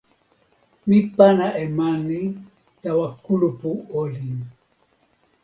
mi pana e mani tawa kulupu olin.